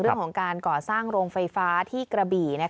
เรื่องของการก่อสร้างโรงไฟฟ้าที่กระบี่